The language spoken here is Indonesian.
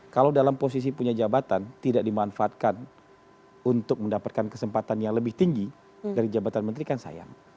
kalau dalam posisi punya jabatan tidak dimanfaatkan untuk mendapatkan kesempatan yang lebih tinggi dari jabatan menteri kan sayang